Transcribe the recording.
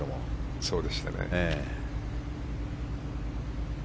そうでしたね。